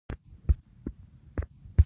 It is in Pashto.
دوی غواړي د نوي استعمار نوې توطيې خنثی کړي.